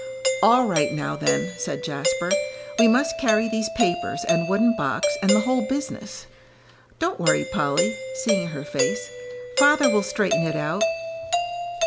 "All right, now, then," said Jasper. "We must carry these papers, and wooden box, and the whole business. Don't worry, Polly," seeing her face, "father will straighten it out."